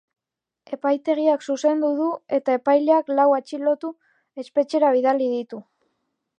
Epaitegiak zuzendu du eta epaileak lau atxilotu espetxera bidali ditu.